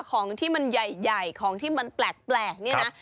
ของที่มันใหญ่ของที่มันแปลกเนี่ยนะ